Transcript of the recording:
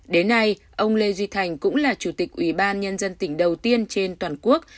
đến nay ông lê duy thành cũng là chủ tịch ủy ban nhân dân tỉnh đầu tiên trên toàn quốc